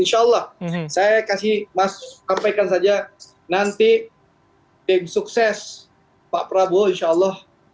insya allah saya kasih mas sampaikan saja nanti tim sukses pak prabowo insya allah